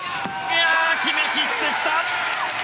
決め切ってきた！